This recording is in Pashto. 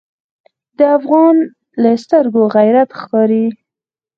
د افغان له سترګو غیرت ښکاري.